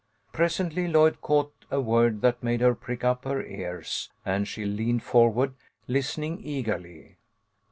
Presently Lloyd caught a word that made her prick up her ears, and she leaned forward, listening eagerly.